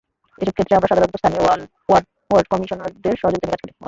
এসব ক্ষেত্রে আমরা সাধারণত স্থানীয় ওয়ার্ড কমিশনারদের সহযোগিতা নিয়ে কাজ করি।